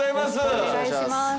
よろしくお願いします。